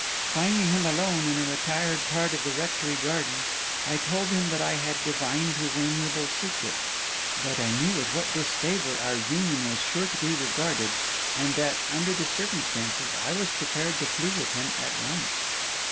Finding him alone in a retired part of the rectory garden, I told him that I had divined his amiable secret, that I knew with what disfavour our union was sure to be regarded; and that, under the circumstances, I was prepared to flee with him at once.